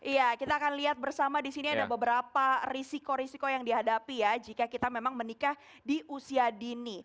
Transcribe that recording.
iya kita akan lihat bersama di sini ada beberapa risiko risiko yang dihadapi ya jika kita memang menikah di usia dini